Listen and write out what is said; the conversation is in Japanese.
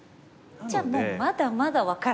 じゃあもうまだまだ分からない。